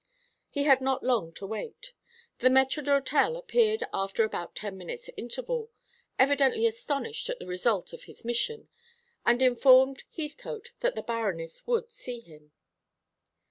He had not long to wait. The maître d'hôtel appeared after about ten minutes' interval, evidently astonished at the result of his mission, and informed Heathcote that the Baroness would see him.